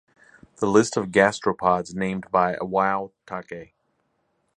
The list of gastropods named by Iwao Taki.